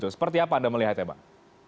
seperti apa anda melihat ya bang